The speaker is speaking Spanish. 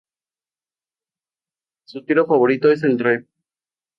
Su tiro favorito es el drive.